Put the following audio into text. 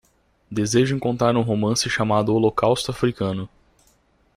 Desejo encontrar um romance chamado Holocausto Africano